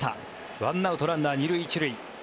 １アウト、ランナー２塁１塁。